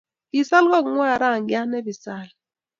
Kisaal kongwai rangyat ne bisali